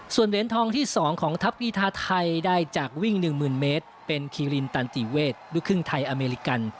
ส่วนเหรียญทองที่๒ของทัพกีธาไทยได้จากวิ่ง๑๐๐๐เมตรเป็นคีรินตันติเวทลูกครึ่งไทยอเมริกัน